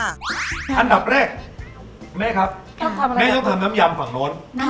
อันดับแรกแม่ครับน้ำยำฝั่งโน้น